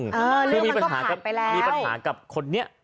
คือมีปัญหากับคนนี้